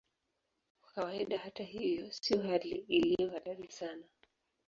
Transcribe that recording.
Kwa kawaida, hata hivyo, sio hali iliyo hatari sana.